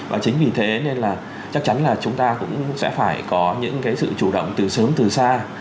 và chính vì thế nên là chắc chắn là chúng ta cũng sẽ phải có những cái sự chủ động từ sớm từ xa